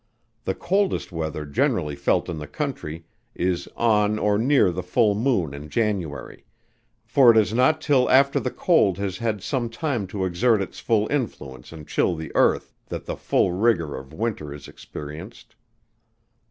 The coldest weather generally felt in the country, is on or near the full moon in January; for it is not till after the cold has had some time to exert its full influence and chill the earth, that the full rigor of winter is experienced.